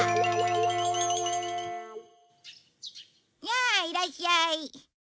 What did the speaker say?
やあいらっしゃい。